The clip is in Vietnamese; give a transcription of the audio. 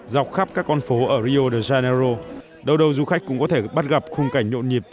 dọc khắp các con phố ở rio de janeiro đâu du khách cũng có thể bắt gặp khung cảnh nhộn nhịp